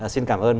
xin cảm ơn